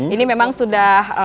ini memang sudah